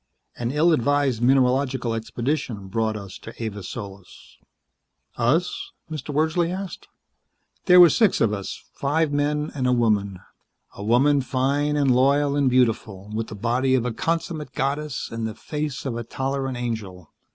An ill advised mineralogical expedition brought us to Avis Solis." "Us?" Mr. Wordsley said. "There were six of us, five men and a woman. A woman fine and loyal and beautiful, with the body of a consummate goddess and the face of a tolerant angel.